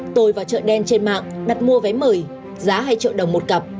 tôi vào chợ đen trên mạng đặt mua vé mời giá hai triệu đồng một cặp